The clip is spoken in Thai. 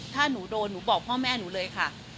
ถ้าหนูโดนหนูบอกพ่อแม่หนูเลยค่ะ